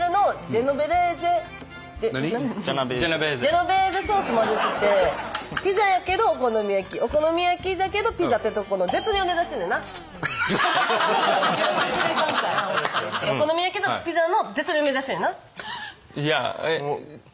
ジェノベーゼソース混ぜててピザやけどお好み焼きお好み焼きだけどピザってとこのお好み焼きやけどピザの絶妙目指してんねんな。